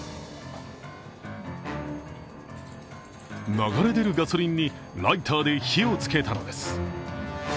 流れ出るガソリンにライターで火をつけたのです。